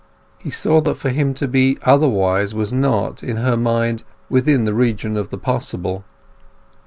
He saw that for him to be otherwise was not, in her mind, within the region of the possible.